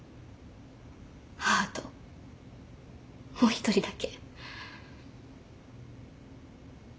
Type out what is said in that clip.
母ともう一人だけ。